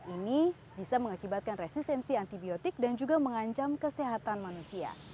ini bisa mengakibatkan resistensi antibiotik dan juga mengancam kesehatan manusia